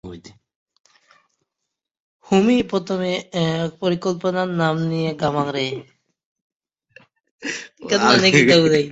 হোমি প্রথমে তার প্রকল্পের নাম দেন গামা রে।